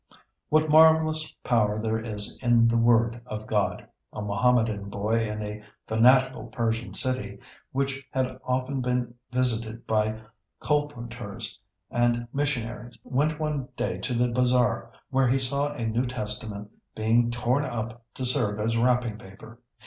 ] What marvelous power there is in the Word of God! A Mohammedan boy in a fanatical Persian city, which had often been visited by colporteurs and missionaries, went one day to the bazaar where he saw a New Testament being torn up to serve as wrapping paper.